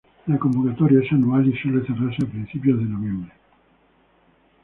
La convocatoria es anual y suele cerrarse a principios de noviembre.